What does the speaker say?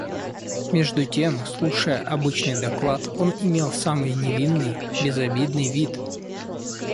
Между тем, слушая обычный доклад, он имел самый невинный, безобидный вид.